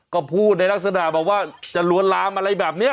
ก็พูดในลักษณะแบบว่าจะลวนลามอะไรแบบนี้